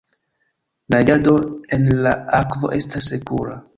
Naĝado en la akvo estas sekura.